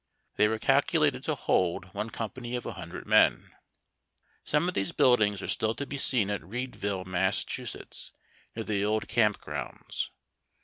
They were calculated to hold one company of a hundred men. Some of these buildings are still to be seen at Readville, Mass., near the old camp grounds.